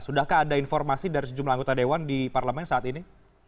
sudahkah ada informasi dari sejumlah anggota dewan di parlemen saat ini